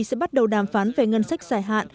sẽ bắt đầu đàm phán về ngân sách dài hạn